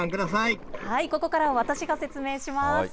ここからは私が説明します。